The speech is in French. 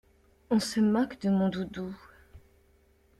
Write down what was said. On se moque de mon doudou.